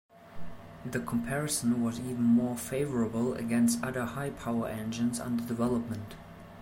The comparison was even more favourable against other high-power engines under development.